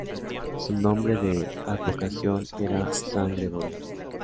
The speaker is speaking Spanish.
Su nombre de advocación era "San Gregorio".